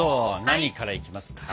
何からいきますか？